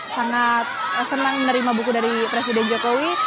sangat senang menerima buku dari presiden jokowi